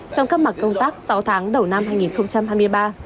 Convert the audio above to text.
trong các mặt công tác sáu tháng đầu năm hai nghìn hai mươi ba